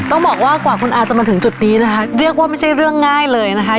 ต้องบอกว่ากว่าคุณอาจะมาถึงจุดนี้นะคะเรียกว่าไม่ใช่เรื่องง่ายเลยนะคะ